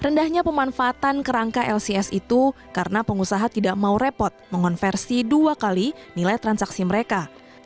rendahnya pemanfaatan kerangka lcs itu karena pengusaha tidak mau repot mengonversi dua kali nilai transaksi mereka